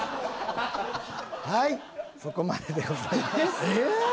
はいそこまででございます。